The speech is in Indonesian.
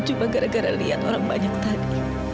cuma gara gara lihat orang banyak tadi